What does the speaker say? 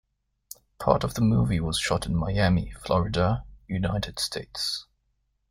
Part of the movie was shot in Miami, Florida, United States.